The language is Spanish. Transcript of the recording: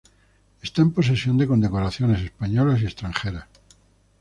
Está en posesión de condecoraciones españolas y extranjeras.